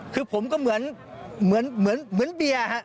คือผมก็เหมือนเบียร์ฮะ